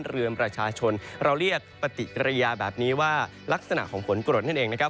เราเรียกปฏิริยาแบบนี้ว่าลักษณะของฝนกรดนั่นเองนะครับ